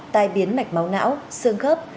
tai biến mạch máu não sương khớp